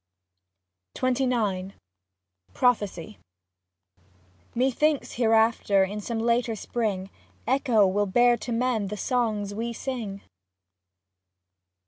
XXIX PROPHESY Methinks hereafter in some later spring Echo will bear to men the songs we sing.